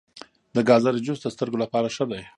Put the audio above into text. د ګازرې جوس د سترګو لپاره ښه دی.